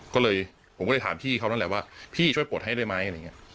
ก็เลยผมก็เลยถามพี่เขานั่นแหละว่าพี่ช่วยปลดให้ได้ไหมอะไรอย่างนี้